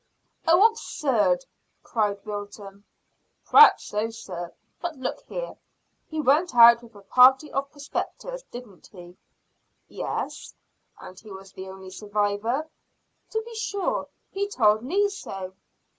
"Oh, absurd!" cried Wilton. "P'r'aps so, sir; but look here, he went out with a party of prospectors, didn't he?" "Yes." "And he was the only survivor?" "To be sure; he told Lee so."